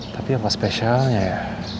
tapi apa spesialnya ya